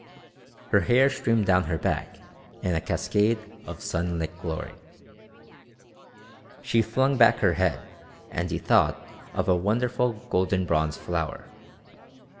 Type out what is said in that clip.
Her hair streamed down her back in a cascade of sunlit glory. She flung back her head, and he thought of a wonderful golden bronze flower.